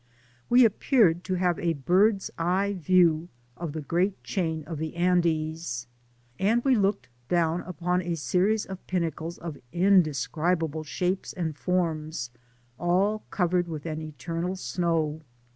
We appeared to have a bird's eye view of the gref^t chain of the Andes, and we looked down upon a series of pinnacles of indescribable shapes and forms, all covered with an eternal snow.